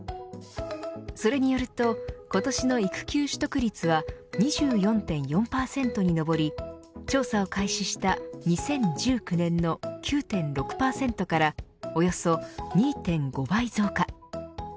それによると、今年の育休取得率は２４．４％に上り調査を開始した２０１９年の９．６％からおよそ２．５倍増加。